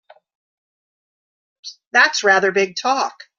That's rather big talk!